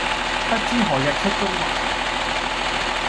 不知何日出中環